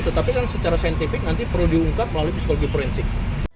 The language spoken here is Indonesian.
tetapi kan secara saintifik nanti perlu diungkap melalui psikologi forensik